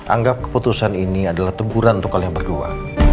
anggap keputusan ini adalah teguran untuk kalian berdua